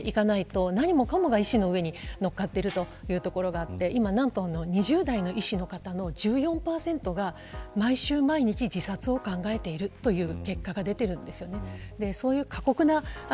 対応のプロというものを導入していかないと何もかもが医師の上に乗っかっているというところがあって今、２０代の医師の方の１４％が毎週、毎日、自殺を考えているという結果が出ているんですよね。